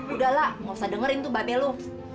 udahlah nggak usah dengerin tuh babe lu